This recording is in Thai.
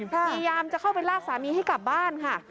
พยายามจะเข้าไปลากสามีให้กลับบ้านค่ะ